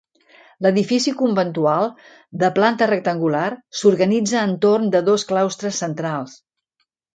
L'edifici conventual, de planta rectangular, s'organitza entorn de dos claustres centrals.